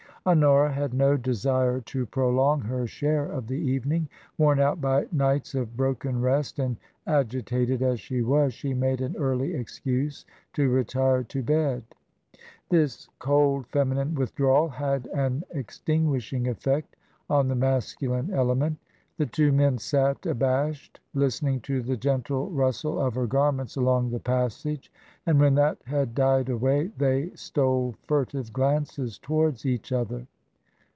Honora had no desire to prolong her share of the evening. Worn out by nights of broken rest, and agi tated as she was, she made an early excuse to retire to bed. This cold, feminine withdrawal had an extinguishing effect on the masculine element The two men sat abashed, listening to the gentle rustle of her garments TRANSITION. 65 along the passage ; and when that had died away, they stole furtive glances towards each other.